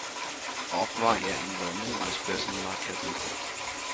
Auch war er in London als Börsenmakler tätig.